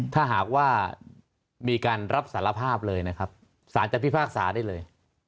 ถ้าหากว่ามีการรับสารภาพเลยนะครับสารจะพิพากษาได้เลย